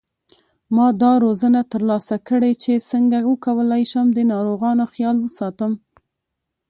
ما دا روزنه تر لاسه کړې چې څنګه وکولای شم د ناروغانو خیال وساتم